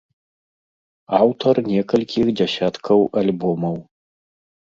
Аўтар некалькіх дзясяткаў альбомаў.